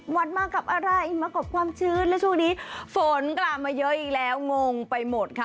วันมากับอะไรมากับความชื้นแล้วช่วงนี้ฝนกลับมาเยอะอีกแล้วงงไปหมดค่ะ